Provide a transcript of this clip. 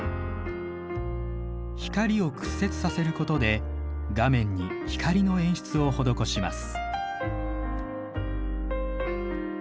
光を屈折させることで画面に光の演出を施します。